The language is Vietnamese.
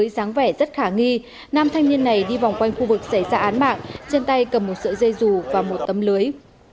xin chào và hẹn gặp lại